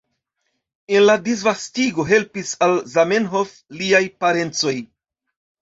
En la disvastigo helpis al Zamenhof liaj parencoj.